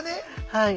はい。